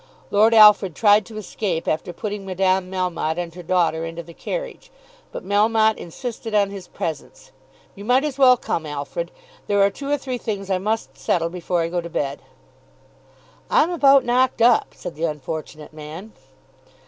Lord Alfred tried to escape after putting Madame Melmotte and her daughter into the carriage, but Melmotte insisted on his presence. "You might as well come, Alfred; there are two or three things I must settle before I go to bed." "I'm about knocked up," said the unfortunate man.